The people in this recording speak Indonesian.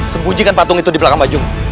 sembunyikan patung itu di belakang baju